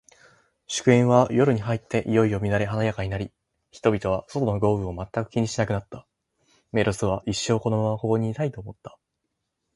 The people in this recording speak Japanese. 祝宴は、夜に入っていよいよ乱れ華やかになり、人々は、外の豪雨を全く気にしなくなった。メロスは、一生このままここにいたい、と思った。